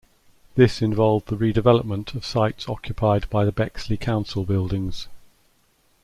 This involved the redevelopment of sites occupied by the Bexley council buildings.